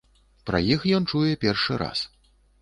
Пра іх ён чуе першы раз.